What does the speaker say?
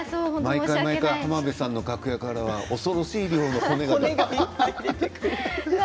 毎回、浜辺さんの楽屋からは恐ろしい量の骨が。